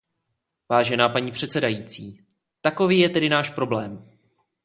Vážená paní předsedající, takový je tedy náš problém.